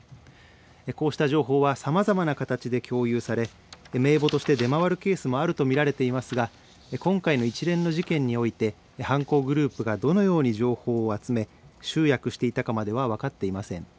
こうした情報はさまざまな形で共有され名簿として出回るケースもあるとみられていますが今回の一連の事件において犯行グループがどのように情報を集め集約していたかまでは分かっていません。